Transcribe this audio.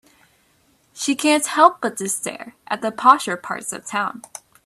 She can't help but to stare at the posher parts of town.